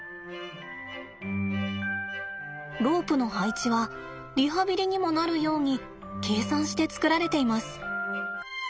ロープの配置はリハビリにもなるように計算して作られています。